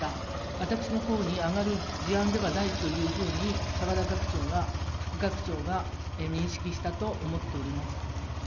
私のほうに上がる事案ではないというふうに、澤田副学長が認識したと思っております。